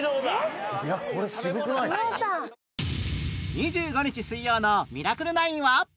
２５日水曜の『ミラクル９』は